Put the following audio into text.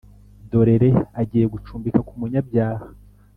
Dorere agiye gucumbika ku munyabyaha